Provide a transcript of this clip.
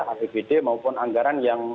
apbd maupun anggaran yang